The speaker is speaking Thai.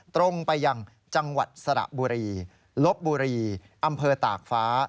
ตรงไปยังจังหวัดสระบุรีลบบุรีอำเภอตากฟ้า